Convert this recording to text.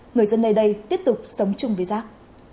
người dân nơi đây tiếp tục sống chung với rác